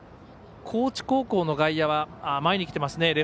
高知高校の外野は前に来てますね。